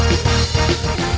semangat ya kan